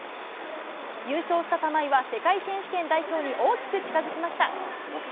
優勝した玉井は、世界選手権代表に大きく近づきました。